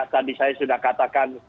tadi saya sudah katakan